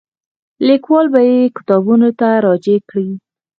لیکوال به یې کتابونو ته راجع کړي.